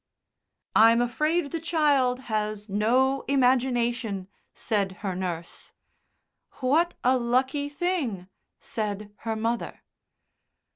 "I'm afraid the child has no imagination," said her nurse. "What a lucky thing!" said her mother.